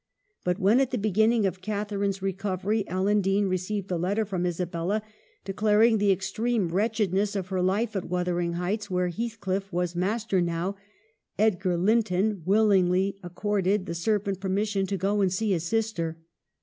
But when, at the beginning of Catharine's recovery, Ellen Dean received a letter from Isabella, de claring the extreme wretchedness of her life at Wuthering Heights, where Heathcliff was mas ter now, Edgar Linton willingly accorded the servant permission to go and see his sister.